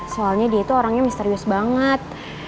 soalnya dia itu orangnya misterius banget